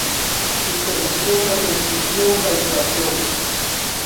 Interrupción da prescrición da infracción.